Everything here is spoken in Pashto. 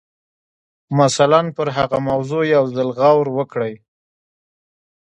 مثلاً پر هغه موضوع یو ځل غور وکړئ